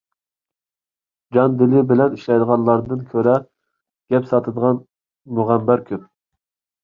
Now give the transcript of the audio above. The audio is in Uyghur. جان - دىلى بىلەن ئىشلەيدىغانلاردىن كۆرە، گەپ ساتىدىغان مۇغەمبەر كۆپ.